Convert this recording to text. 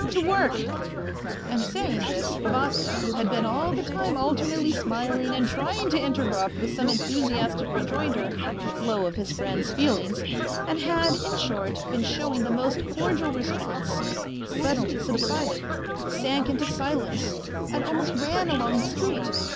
... To work !" And saying this, Vasya, who had been all the time alternately smiling and trying to interrupt with some enthusiastic rejoinder the flow of his friend's feelings, and had, in short, been showing the most cordial response, suddenly subsided, sank into silence, and almost ran along the street.